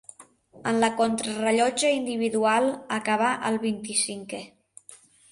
En la contrarellotge individual acabà el vint-i-cinquè.